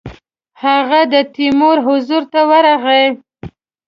هغه د تیمور حضور ته ورغی.